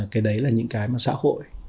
cái đấy là những cái mà xã hội